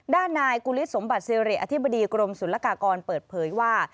ด้านนายกุฤษสมบัติสิริอธิบดีกรมศุลกากรเปิดเผยว่า